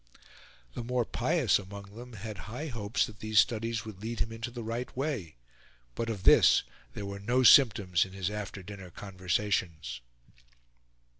The more pious among them had high hopes that these studies would lead him into the right way; but of this there were no symptoms in his after dinner conversations.